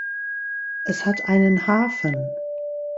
Es hat einen Hafen.